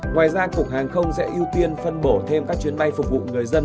ngoài ra cục hàng không sẽ ưu tiên phân bổ thêm các chuyến bay phục vụ người dân